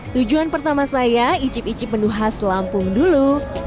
tujuan pertama saya icip icip menu khas lampung dulu